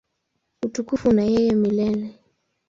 Utukufu una yeye milele.